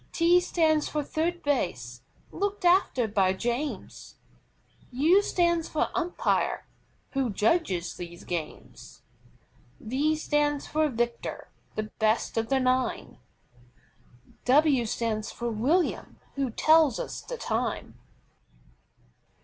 T stands for THIRD BASE, looked after by James. U stands for UMPIRE, who judges these games. V stands for VICTOR, the best of the nine. W stands for WILLIAM, who tells us the time.